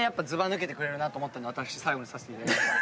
最後にさせていただきました。